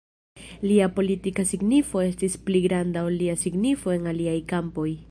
Lia politika signifo estis pli granda ol lia signifo en aliaj kampoj.